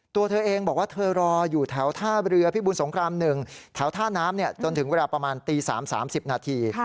ตัวเธอเองบอกว่าเธอรออยู่แถวท่าเรือพิบุญสงคราม๑แถวท่าน้ำจนถึงเวลาประมาณตี๓๓๐นาที